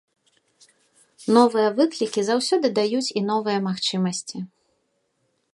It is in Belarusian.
Новыя выклікі заўсёды даюць і новыя магчымасці.